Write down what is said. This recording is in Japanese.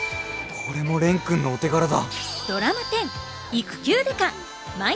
これも蓮くんのお手柄だ。